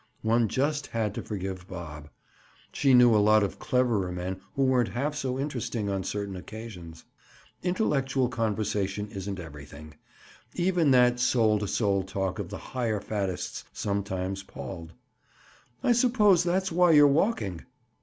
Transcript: One just had to forgive Bob. She knew a lot of cleverer men who weren't half so interesting on certain occasions. Intellectual conversation isn't everything. Even that soul to soul talk of the higher faddists sometimes palled. "I suppose that's why you're walking."